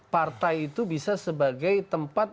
partai itu bisa sebagai tempat